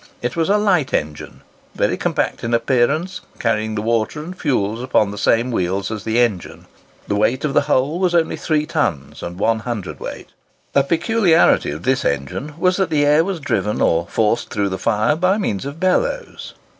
It was a light engine, very compact in appearance, carrying the water and fuel upon the same wheels as the engine. The weight of the whole was only 3 tons and 1 hundredweight. A peculiarity of this engine was that the air was driven or forced through the fire by means of bellows.